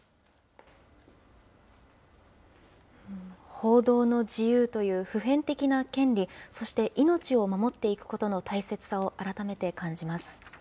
報道の自由という普遍的な権利、そして、命を守っていくことの大切さを改めて感じます。